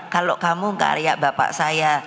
kalau kamu karya bapak saya